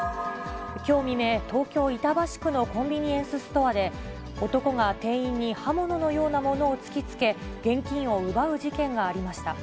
きょう未明、東京・板橋区のコンビニエンスストアで、男が店員に刃物のようなものを突きつけ、現金を奪う事件がありました。